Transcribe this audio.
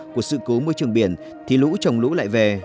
của sự cố môi trường biển thì lũ trồng lũ lại về